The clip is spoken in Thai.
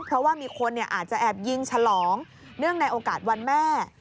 เพราะว่ามีคนอาจจะแอบยิงฉลองเนื่องในโอกาสวันแม่